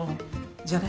じゃあね